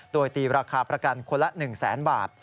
โดยตีราคาประกันคนละ๑แสนบาท